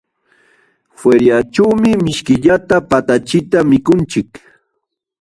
Feriaćhuumi mishkillata patachita mikunchik.